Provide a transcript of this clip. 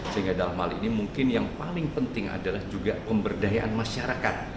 sehingga dalam hal ini mungkin yang paling penting adalah juga pemberdayaan masyarakat